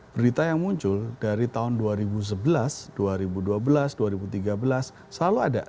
berita yang muncul dari tahun dua ribu sebelas dua ribu dua belas dua ribu tiga belas selalu ada